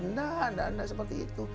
nggak nggak seperti itu